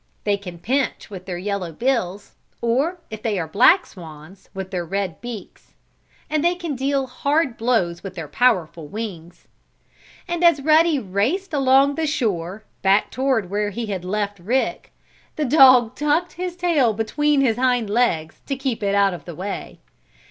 They can pinch with their yellow bills, or, if they are black swans, with their red beaks. And they can deal hard blows with their powerful wings. And as Ruddy raced along the shore, back toward where he had left Rick, the dog tucked his tail between his hind legs to keep it out of the way.